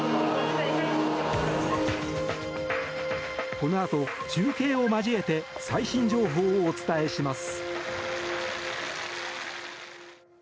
このあと、中継を交えて最新情報をお伝えします。